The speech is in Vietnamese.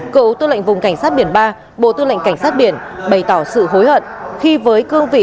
cựu tư lệnh vùng cảnh sát biển ba bộ tư lệnh cảnh sát biển bày tỏ sự hối hận khi với cương vị